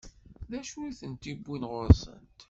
D acu i ten-iwwin ɣur-sent?